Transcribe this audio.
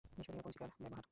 মিশরীয় পঞ্জিকার ব্যবহার।